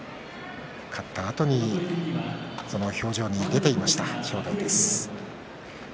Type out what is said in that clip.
勝ったあとにその表情に出ていました正代です。